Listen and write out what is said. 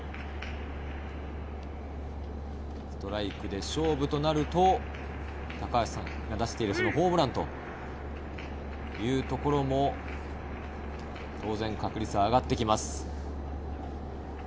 ストライクで勝負となると、高橋さんが出しているホームランというところも当然確率が上がってきます。